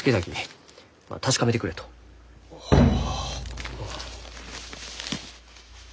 はあ。